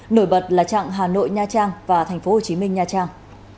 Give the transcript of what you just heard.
nổi bật là trạng hà nội nha trang và tp hcm nha trang